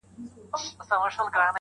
د هغه په دوه چنده عمر کي نه سي لیکلای -